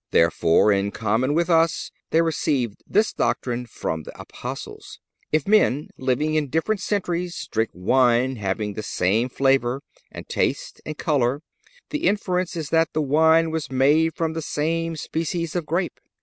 Therefore, in common with us, they received this doctrine from the Apostles. If men living in different countries drink wine having the same flavor and taste and color, the inference is that the wine was made from the same species of grape.